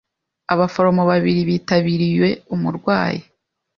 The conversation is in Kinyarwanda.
Abaforomo babiri bitabiriye umurwayi.